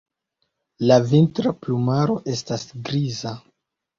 La vintra plumaro estas griza.